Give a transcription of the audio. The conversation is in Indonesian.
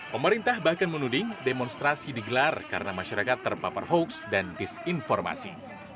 pemerintah bahkan menuding demonstrasi digelar karena masyarakat terpapar hoax dan disinformasi